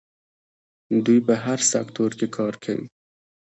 دوی په هر سکتور کې کار کوي.